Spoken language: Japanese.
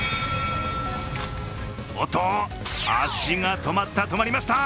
おっと、足が止まった、止まりました！